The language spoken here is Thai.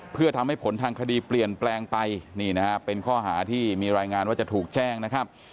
เพื่อทำให้ผลทางคดีเปลี่ยนแปลงไปนี่นะฮะเป็นข้อหาที่มีรายงานว่าจะถูกแจ้งนะครับ